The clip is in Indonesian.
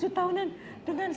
sudah tujuh tahunan ya di sini